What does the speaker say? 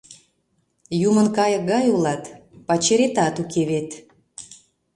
Юмын кайык гай улат, пачеретат уке вет.